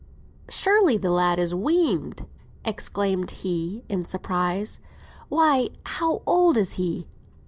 "Surely the lad is weaned!" exclaimed he, in surprise. "Why, how old is he?"